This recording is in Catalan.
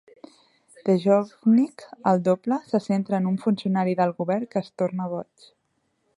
"Dvojnik" (El doble) se centra en un funcionari del govern que es torna boig.